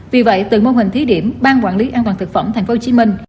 vì vậy từ mô hình thí điểm ban quản lý an toàn thực phẩm tp hcm